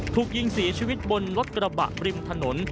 ถูกยิงเสียชีวิตบนรถกระบะริมถนน